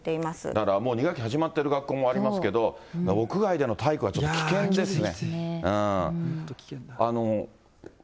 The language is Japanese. だからもう２学期始まっている学校もありますけど、屋外での体育はちょっと危険ですね。